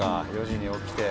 ４時に起きて。